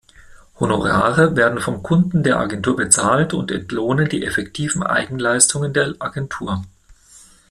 Honorare werden vom Kunden der Agentur bezahlt und entlohnen die effektiven Eigenleistungen der Agentur.